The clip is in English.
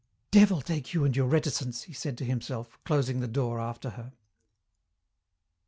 "Devil take you and your reticence," he said to himself, closing the door after her.